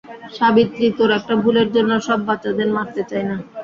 সাবিত্রী, তোর একটা ভুলের জন্য সব বাচ্চাদের মারতে চাইনা।